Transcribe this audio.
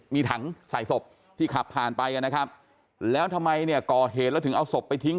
มีถังใส่ศพที่ขับผ่านไปกันนะครับแล้วทำไมเนี่ยก่อเหตุแล้วถึงเอาศพไปทิ้ง